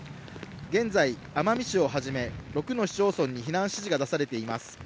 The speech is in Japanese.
現在、奄美市をはじめ、６の市町村に避難指示が出されています。